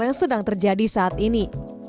yang sedang terjadi saat ini